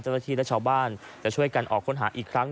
เจ้าหน้าที่และชาวบ้านจะช่วยกันออกค้นหาอีกครั้ง